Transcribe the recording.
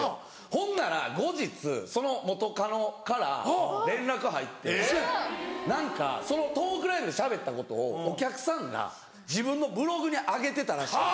ほんなら後日その元カノから連絡入って何かそのトークライブでしゃべったことをお客さんが自分のブログに上げてたらしくて。